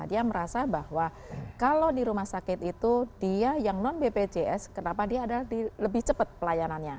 dia merasa bahwa kalau di rumah sakit itu dia yang non bpjs kenapa dia adalah lebih cepat pelayanannya